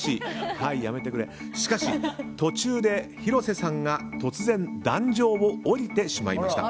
しかし途中で広瀬さんが突然、壇上を降りてしまいました。